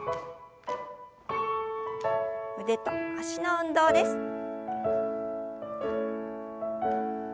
腕と脚の運動です。